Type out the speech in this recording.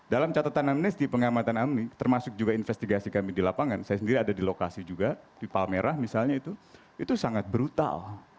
dalam catatan amnest di pengamatan amne termasuk juga investigasi kami di lapangan saya sendiri ada di lokasi juga di palmerah misalnya itu itu sangat brutal